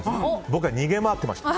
僕は逃げ回ってました。